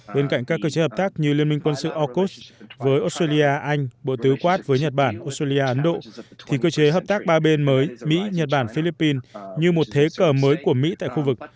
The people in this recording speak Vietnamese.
bên cạnh các cơ chế hợp tác như liên minh quân sự aukus với australia anh bộ tứ quát với nhật bản australia ấn độ thì cơ chế hợp tác ba bên mới mỹ nhật bản philippines như một thế cờ mới của mỹ tại khu vực